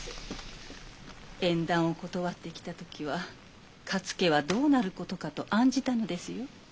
縁談を断ってきた時は勝家はどうなることかと案じたのですよ。